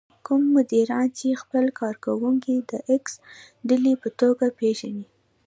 کوم مديران چې خپل کار کوونکي د ايکس ډلې په توګه پېژني.